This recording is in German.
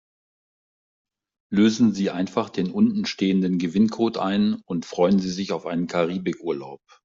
Lösen Sie einfach den unten stehenden Gewinncode ein und freuen Sie sich auf einen Karibikurlaub.